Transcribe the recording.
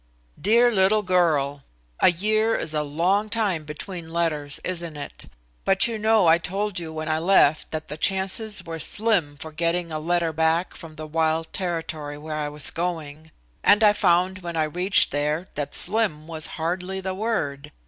"Dear little girl: "A year is a long time between letters, isn't it? But you know I told you when I left that the chances were Slim for getting a letter back from the wild territory where I was going, and I found when I reached there that 'slim' was hardly the word.